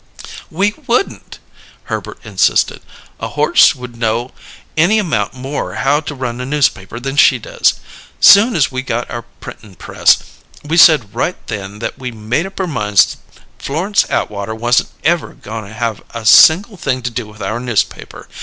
"We wouldn't," Herbert insisted. "A horse would know any amount more how to run a newspaper than she does. Soon as we got our printing press, we said right then that we made up our minds Florence Atwater wasn't ever goin' to have a single thing to do with our newspaper.